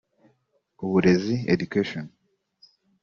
Uburezi (Education)